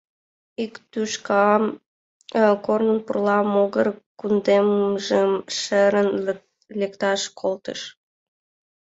Ик тӱшкам корнын пурла могыр кундемжым шерын лекташ колтыш.